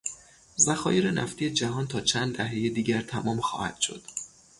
ذخایر نفتی جهان تا چند دههی دیگر تمام خواهد شد.